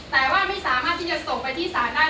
แต่ว่าไม่สามารถที่จะส่งไปที่ศาลได้